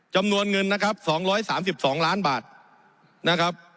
จำนวนเงินนะครับสองร้อยสามสิบสองล้านบาทนะครับ